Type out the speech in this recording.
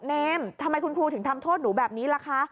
เนมทำไมคุณครูถึงทำโทษหนูแบบนี้ล่ะคะ